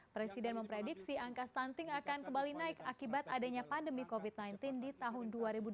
presiden memprediksi angka stunting akan kembali naik akibat adanya pandemi covid sembilan belas di tahun dua ribu dua puluh